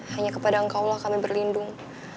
hanya kepada engkaulah kami berlindung